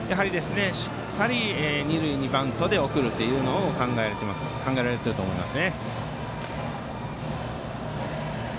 しっかり二塁にバントで送るというのを考えられていると思います。